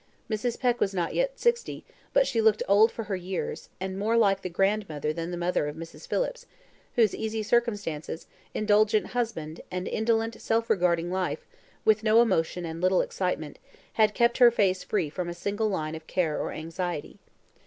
Mrs. Peck was not yet sixty, but she looked old for her years, and more like the grandmother than the mother of Mrs. Phillips, whose easy circumstances, indulgent husband, and indolent, self regarding life, with no emotion and little excitement, had kept her face free from a single line of care or anxiety.